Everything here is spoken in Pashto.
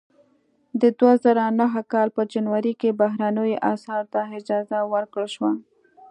د دوه زره نهه کال په جنوري کې بهرنیو اسعارو ته اجازه ورکړل شوه.